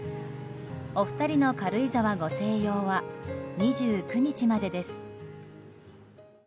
お二人の軽井沢ご静養は２９日までです。